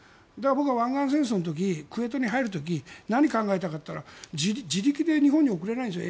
僕は湾岸戦争の時クウェートに入る時に何考えたかと言ったら自力で日本に送れないんですよ